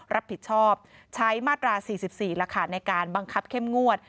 รับผิดชอบใช้มาตรา๔๔ในการบังคับเข้มงวด